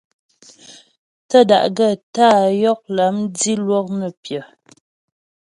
Tə́ da'gaə́ tá'a yɔk lâm dilwɔk nə́ pyə.